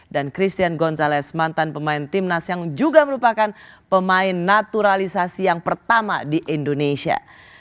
dan christian gonzalez mantan pemain timnas yang juga merupakan pemain naturalisasi yang pertama di indonesia